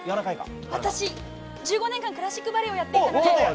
私、１５年間クラシックバレエやっていたので。